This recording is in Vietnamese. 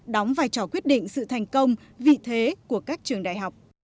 đóng vai trò quyết định sự thành công vị thế của các trường đại học